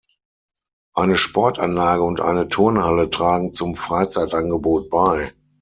Eine Sportanlage und eine Turnhalle tragen zum Freizeitangebot bei.